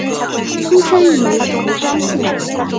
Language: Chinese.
出身于福冈县。